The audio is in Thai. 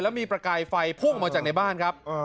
มีประกายไฟพุ่งมาจากในบ้านครับ